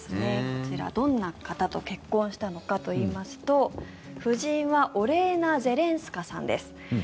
こちら、どんな方と結婚したのかといいますと夫人はオレーナ・ゼレンスカさんです。